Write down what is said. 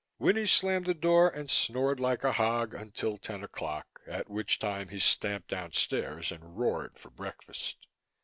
Winnie slammed the door and snored like a hog until ten o'clock at which time he stamped downstairs and roared for breakfast.